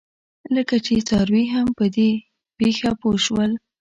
لکه چې څاروي هم په دې پېښه پوه شول.